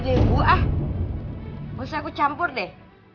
udah deh bu ah mau saya aku campur deh